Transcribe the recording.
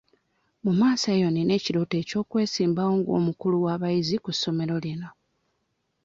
Mu maaso eyo nnina ekirooto ky'okwesimbawo nga omukulu w'abayizi ku ssomero lino.